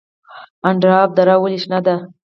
اندراب دره ولې شنه ده؟